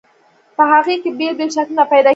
په هغې کې بېل بېل شکلونه پیدا کړئ.